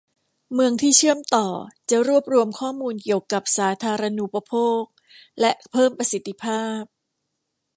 เมืองที่เชื่อมต่อจะรวบรวมข้อมูลเกี่ยวกับสาธารณูปโภคและเพิ่มประสิทธิภาพ